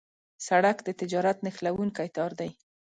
سړک د تجارت نښلونکی تار دی.